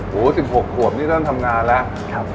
๑๖ขวบนี่เริ่มทำงานแล้ว